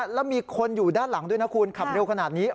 แล้วมีคนอยู่ด้านหลังด้วยนะคุณขับเร็วขนาดนี้